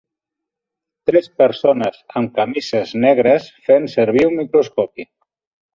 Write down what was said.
Tres persones amb camises negres fent servir un microscopi.